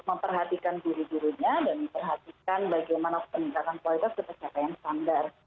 memperhatikan guru gurunya dan memperhatikan bagaimana peningkatan kualitas ketercapaian standar